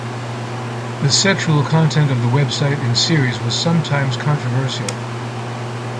The sexual content of the website and series was sometimes controversial.